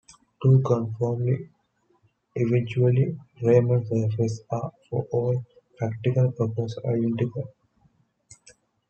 Two conformally equivalent Riemann surfaces are for all practical purposes identical.